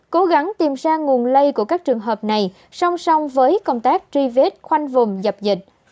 cố gắng tìm ra nguồn lây của các trường hợp này song song với công tác truy vết khoanh vùng dập dịch